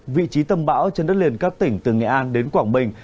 vị trí tâm bão trên đất liền các tỉnh từ nghệ an đến quảng bình